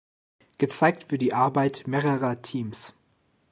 Gezeigt wird die Arbeit mehrerer Teams.